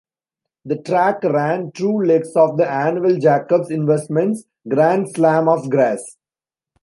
The track ran two legs of the annual Jacobs Investments Grand Slam of Grass.